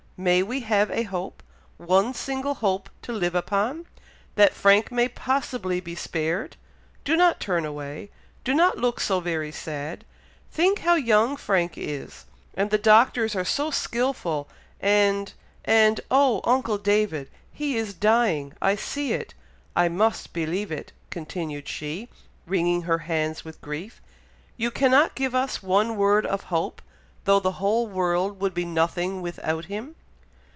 May we have a hope? one single hope to live upon, that Frank may possibly be spared; do not turn away do not look so very sad think how young Frank is, and the Doctors are so skilful and and oh, uncle David! he is dying! I see it! I must believe it!" continued she, wringing her hands with grief. "You cannot give us one word of hope, though the whole world would be nothing without him."